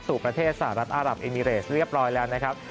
ประเทศสหรัฐอารับเอมิเรสเรียบร้อยแล้วนะครับ